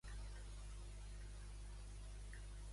Quines declaracions ha fet a Deutschlandfunk?